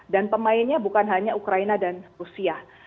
dan pemainnya bukan hanya ukraina dan rusia